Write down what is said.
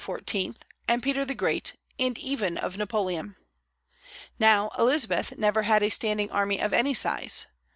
and Peter the Great, and even of Napoleon. Now, Elizabeth never had a standing army of any size.